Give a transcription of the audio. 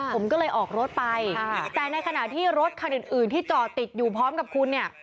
ผมก็เลยออกรถไปแต่ในขณะที่รถคันอื่นที่จอดติดอยู่พร้อมกับคุณเนี่ย